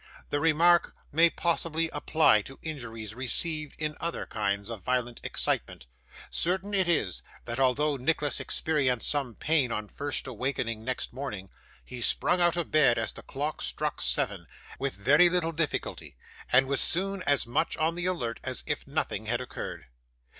The remark may possibly apply to injuries received in other kinds of violent excitement: certain it is, that although Nicholas experienced some pain on first awakening next morning, he sprung out of bed as the clock struck seven, with very little difficulty, and was soon as much on the alert as if nothing had occurred.